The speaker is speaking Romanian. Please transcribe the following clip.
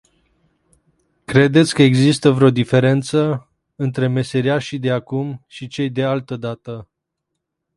Credeți că există vreo diferență între meseriașii de acum și cei de altădată.